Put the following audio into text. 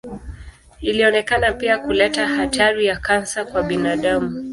Ilionekana pia kuleta hatari ya kansa kwa binadamu.